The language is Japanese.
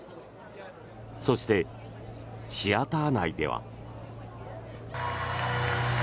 そして、シアター内では。